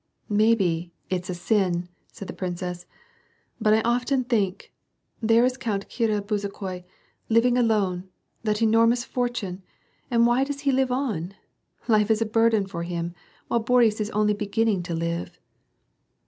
" Maybe, it's a sin," said the princess, " but I often think : There is Count Kirill Bezukhoi, living alone — that enormous fortune — and why does he live on? Life is a burden for him, while Boris is only just beginning to live."